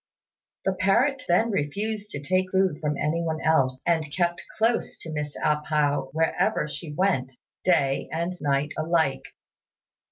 The parrot then refused to take food from anyone else, and kept close to Miss A pao wherever she went, day and night alike.